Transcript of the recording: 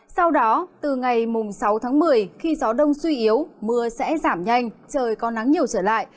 sau đó từ ngày sáu tháng một mươi khi gió đông suy yếu mưa sẽ giảm nhanh trời có nắng nhiều trở lại